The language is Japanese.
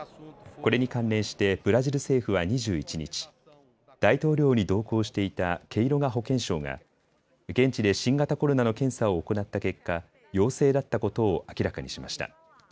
これに関連してブラジル政府は２１日、大統領に同行していたケイロガ保健相が現地で新型コロナの検査を行った結果、陽性だったことを明らかにしました。